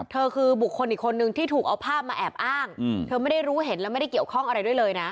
เธอคือบุคคลอีกคนนึงที่ถูกเอาภาพมาแอบอ้างเธอไม่ได้รู้เห็นและไม่ได้เกี่ยวข้องอะไรด้วยเลยนะ